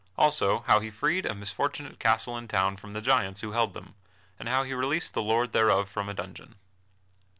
Also How He Freed a Misfortunate Castle and Town From the Giants Who Held Them, and How He Released the Lord Thereof From a Dungeon.